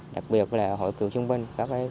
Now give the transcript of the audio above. đặc biệt là hội cựu trung binh